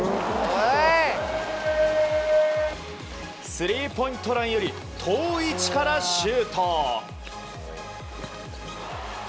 スリーポイントラインより遠い位置からシュート。